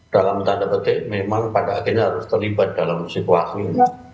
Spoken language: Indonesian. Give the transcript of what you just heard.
dalam tanda petik memang pada akhirnya harus terlibat dalam situasi